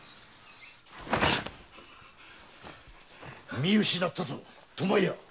見失ったぞ巴屋。